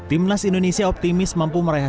oh ya kita bisa menang